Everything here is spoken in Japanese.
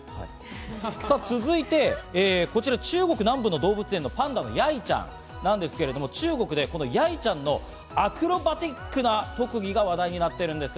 続いてこちら、中国南部の動物園のパンダのヤイちゃんなんですけれども、中国でヤイちゃんのアクロバチックな特技が話題になっているんです。